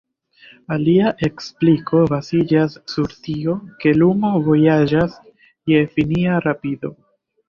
Alia ekspliko baziĝas sur tio, ke lumo vojaĝas je finia rapido.